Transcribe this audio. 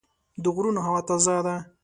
د غرونو هوا تازه ده.